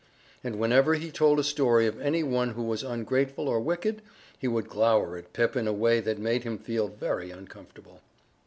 And whenever he told a story of any one who was ungrateful or wicked he would glower at Pip in a way that made him feel very uncomfortable.